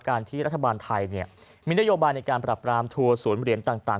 ที่รัฐบาลไทยมีนโยบายในการปรับรามทัวร์ศูนย์เหรียญต่าง